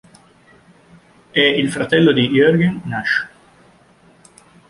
È il fratello di Jørgen Nash.